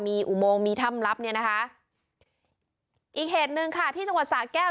มีอุโมงมีถ้ำลับเนี่ยนะคะอีกเหตุหนึ่งค่ะที่จังหวัดสะแก้ว